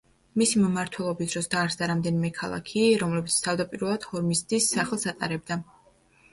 მისი მმართველობის დროს დაარსდა რამდენიმე ქალაქი, რომლებიც თავდაპირველად ჰორმიზდის სახელს ატარებდა.